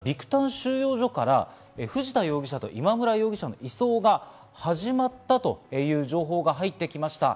フィリピン・マニラのビクタン収容所から、藤田容疑者と今村容疑者の移送が始まったという情報が入ってきました。